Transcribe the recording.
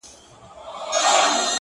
کوڼ دوه واره خاندي.